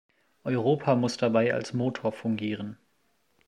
Europa muss dabei als Motor fungieren.